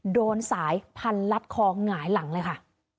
โดนสายพันลัดคอหงายหลังเลยค่ะ